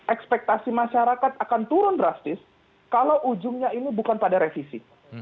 ekspektasi masyarakat akan turun drastis kalau ujungnya ini bukan pada revisi